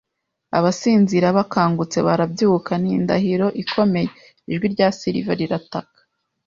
abasinzira bakangutse barabyuka; n'indahiro ikomeye, ijwi rya silver rirataka,